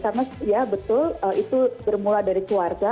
karena ya betul itu bermula dari keluarga